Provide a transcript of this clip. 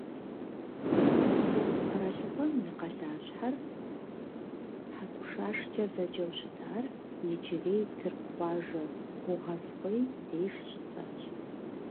Хетт къэралыгъуэм и къалащхьэр, Хьэтушашкӏэ зэджэу щытар, иджырей тырку къуажэ Богъазкъуей деж щысащ.